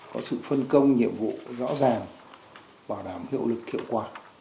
có sự phân công nhiệm vụ rõ ràng bảo đảm hiệu lực hiệu quả